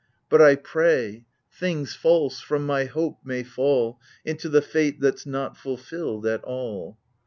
But I pray — things false, from my hope, may fall Into the fate that's not fulfilled at all